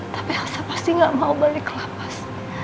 tapi elsa pasti nggak mau balik ke lapas